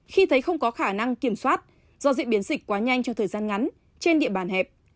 khi thấy không có khả năng kiểm soát do diễn biến dịch quá nhanh trong thời gian ngắn trên địa bàn hẹp